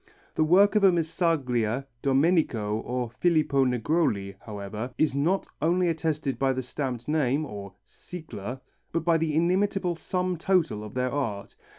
The work of a Missaglia, Domenico or Filippo Negroli, however, is not only attested by the stamped name or sigla but by the inimitable sum total of their art.